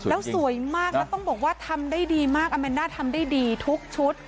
แล้วสวยมากแล้วต้องบอกว่าทำได้ดีมากอาแมนด้าทำได้ดีทุกชุด